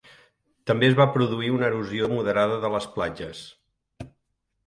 També es va produir una erosió moderada de les platges.